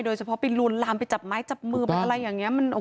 โดยเฉพาะไปลวนลามไปจับไม้จับมือไปอะไรอย่างนี้